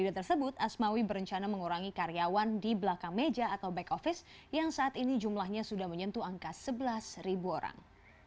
video tersebut asmawi berencana mengurangi karyawan di belakang meja atau back office yang saat ini jumlahnya sudah menyentuh angka sebelas orang